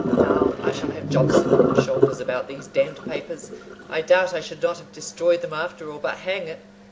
"Now, I shall have Jobson on my shoulders about these d d papers I doubt I should not have destroyed them, after all But hang it!